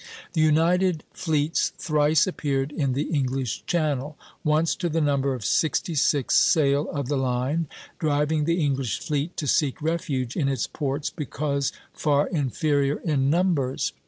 The united fleets thrice appeared in the English Channel, once to the number of sixty six sail of the line, driving the English fleet to seek refuge in its ports because far inferior in numbers.